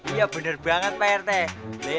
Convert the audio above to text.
iya bener banget pak rete